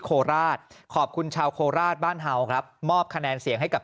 โคราชขอบคุณชาวโคราชบ้านเห่าครับมอบคะแนนเสียงให้กับ